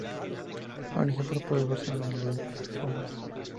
Un ejemplo puede verse en linfomas.